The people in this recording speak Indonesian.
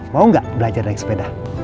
mau nggak belajar naik sepeda